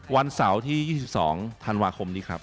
วันเสาร์ที่๒๒ธันวาคมนี้ครับ